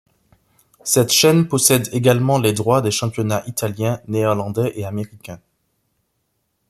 Cette chaîne possède également les droits des championnats italien, néerlandais et américain.